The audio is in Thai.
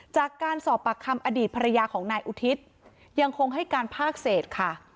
จากการสอบปากคำอดีตภรรยาของนายอุทิศยังคงให้การภาคเศษค่ะ